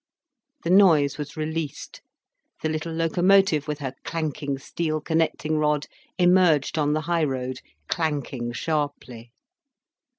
The noise was released, the little locomotive with her clanking steel connecting rod emerged on the highroad, clanking sharply.